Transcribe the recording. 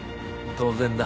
当然だ。